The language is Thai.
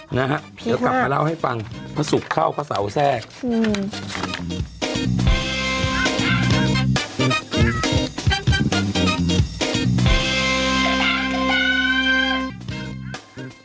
นะฮะเดี๋ยวกลับมาเล่าให้ฟังพระศุกร์เข้าพระเสาแทรกอืม